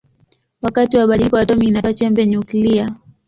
Wakati wa badiliko atomi inatoa chembe nyuklia.